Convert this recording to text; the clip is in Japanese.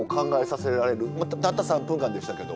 たった３分間でしたけど。